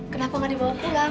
kenapa gak dibawa pulang